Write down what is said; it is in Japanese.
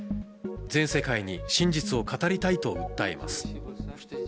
全世界に真実を語りたいと訴えます。